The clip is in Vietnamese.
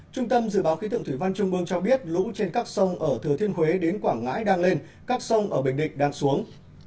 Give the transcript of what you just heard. trung tâm dự báo khí tượng thủy văn trung mương cho biết lũ trên các sông ở thừa thiên huế đến quảng ngãi đang lên các sông ở bình định đang xuống